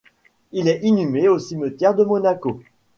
Il est inhumé au cimetière de Monaco.